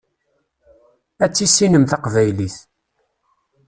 Ad tissinem taqbaylit.